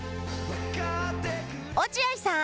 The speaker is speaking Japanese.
落合さん。